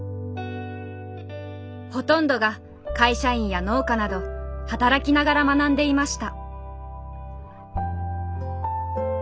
ほとんどが会社員や農家など働きながら学んでいました。